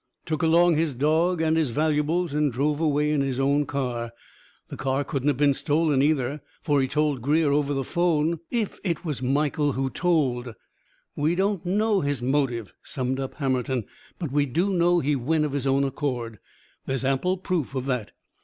Took along his dog and his valuables and drove away in his own car. The car couldn't have been stolen, either. For he told Greer over the phone " "If it was Michael who told " "We don't know his motive," summed up Hammerton. "But we do know he went of his own accord. There is ample proof of that.